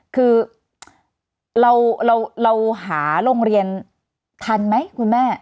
คือเราหาโรงเรียนทันไหมคุณแม่